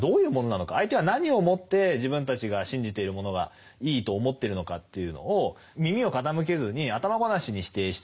相手は何をもって自分たちが信じているものがいいと思ってるのかというのを耳を傾けずに頭ごなしに否定していく。